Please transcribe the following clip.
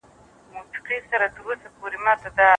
که خط ښکلی نه وي خو د لوستلو وړ وي کافي دی.